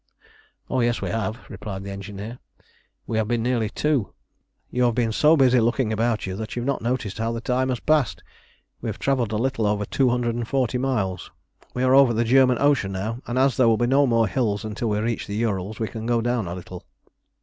"Oh yes, we have," replied the engineer. "We have been nearly two. You have been so busy looking about you that you have not noticed how the time has passed. We have travelled a little over two hundred and forty miles. We are over the German Ocean now, and as there will be no more hills until we reach the Ourals we can go down a little."